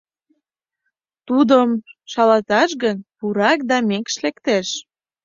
Тудым шалаташ гын, пурак да мекш лектеш.